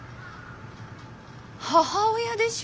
母親でしょ？